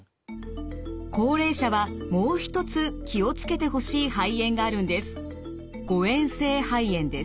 高齢者はもう一つ気を付けてほしい肺炎があるんです。